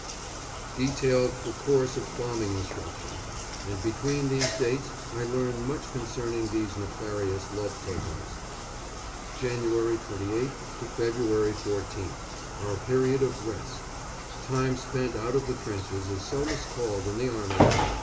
_ Detailed for course of bombing instruction; and between these dates I learn much concerning these nefarious love tokens. Jan. 28th to Feb. 14th. Our period of "Rest." (Time spent out of the trenches is so miscalled in the Army!)